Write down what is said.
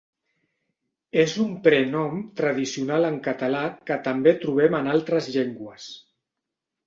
És un prenom tradicional en català que també trobem en altres llengües.